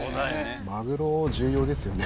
マグロ重要ですよね